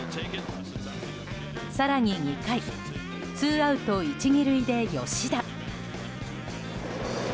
更に２回ツーアウト１、２塁で吉田。